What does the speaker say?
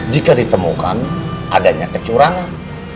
jika ditemukan adanya kecurangan